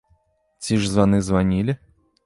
Ці ж званы званілі?